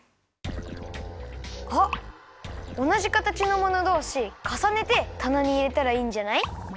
あっおなじ形のものどうしかさねてたなにいれたらいいんじゃない？